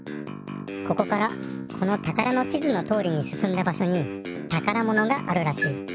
ここからこのたからの地図のとおりにすすんだばしょにたからものがあるらしい。